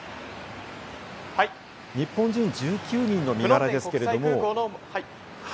日本人１９人の身柄ですけれど。